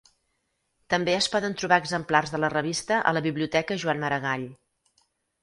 També es poden trobar exemplars de la revista a la Biblioteca Joan Maragall.